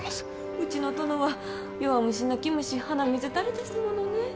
うちの殿は弱虫泣き虫鼻水垂れですものね。